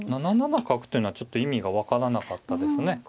７七角というのはちょっと意味が分からなかったですね。